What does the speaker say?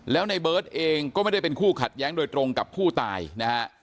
แล้วในเบิร์ตเองก็ไม่ได้เป็นคู่ขัดแย้งโดยตรงกับผู้ตายนะฮะ